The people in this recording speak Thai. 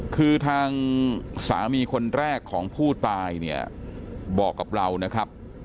คือทางสามีคนแรกของผู้ตายเนี่ยบอกกับเรานะครับ